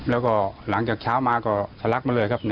แล้วก็หลังจากเช้ามาก็ทะลักมาเลยครับ